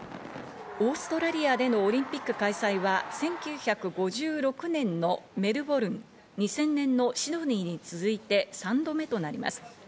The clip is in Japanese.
オーストラリアでのオリンピック開催は１９５６年のメルボルン、２０００年のシドニーに続いて３度目となります。